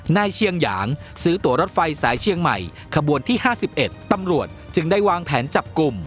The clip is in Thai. เชียงหยางซื้อตัวรถไฟสายเชียงใหม่ขบวนที่๕๑ตำรวจจึงได้วางแผนจับกลุ่ม